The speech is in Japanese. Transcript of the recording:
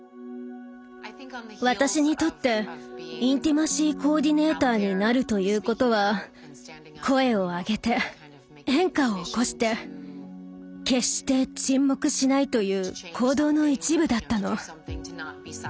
私にとってインティマシー・コーディネーターになるということは声を上げて変化を起こして決して沈黙しないという行動の一部だったの。